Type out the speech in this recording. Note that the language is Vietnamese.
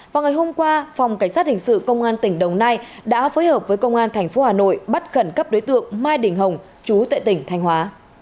vào ngày hôm qua phòng cảnh sát hình sự công an tỉnh đồng nai đã phối hợp với công an tp hà nội bắt khẩn cấp đối tượng mai đình hồng chú tại tỉnh thanh hóa